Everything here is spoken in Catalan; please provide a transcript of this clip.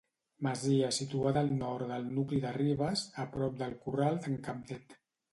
Masia situada al nord del nucli de Ribes, a prop del Corral d'en Capdet.